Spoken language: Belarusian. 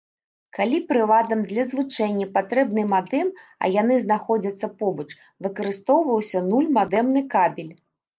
Калі прыладам для злучэння патрэбны мадэм, а яны знаходзяцца побач, выкарыстоўваўся нуль-мадэмны кабель.